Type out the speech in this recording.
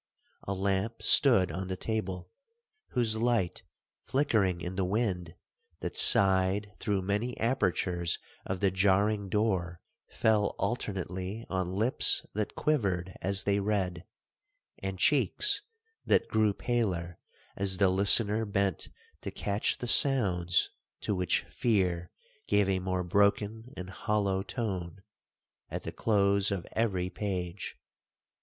A lamp stood on the table, whose light flickering in the wind, that sighed through many apertures of the jarring door, fell alternately on lips that quivered as they read, and cheeks that grew paler as the listener bent to catch the sounds to which fear gave a more broken and hollow tone, at the close of every page.